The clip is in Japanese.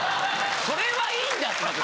それはいいんだって別に！